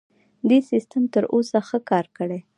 دې سیستم تر اوسه ښه کار کړی.